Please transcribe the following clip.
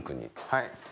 はい。